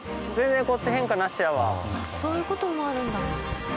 そういう事もあるんだ。